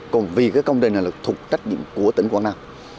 còn vì cái công trình này là thuộc trách nhiệm của tỉnh quảng nam